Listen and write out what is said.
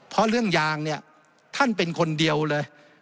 เพราะเรื่องยางเนี่ยท่านเป็นคนเดียวเลย